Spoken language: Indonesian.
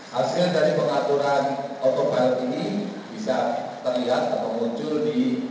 hasil dari pengaturan auto pilot ini bisa terlihat atau muncul di